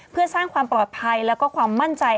เพื่อสร้างความปลอดภัยแล้วก็ความมั่นใจ